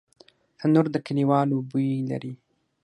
تنور د کلیوالو بوی لري